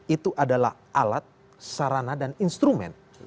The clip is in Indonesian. itu adalah alat sarana dan instrumen